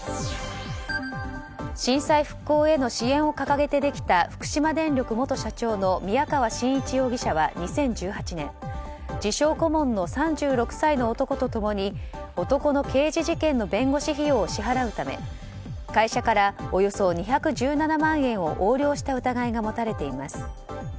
震災復興への支援を掲げてできた福島電力元社長の宮川真一容疑者は２０１８年自称顧問の３６歳の男とともに男の刑事事件の弁護士費用を支払うため会社からおよそ２１７万円を横領した疑いが持たれています。